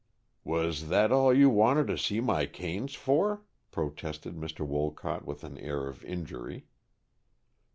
"Was that all you wanted to see my canes for?" protested Mr. Wolcott, with an air of injury.